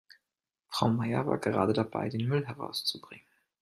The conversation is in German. Frau Meier war gerade dabei, den Müll herauszubringen.